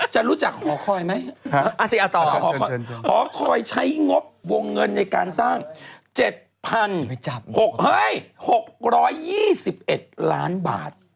จะรู้จักหอคอยไหมหอคอยใช้งบวงเงินในการสร้าง๗๖๒๑ล้านบาท